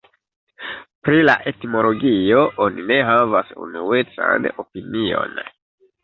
Pri la etimologio oni ne havas unuecan opinion.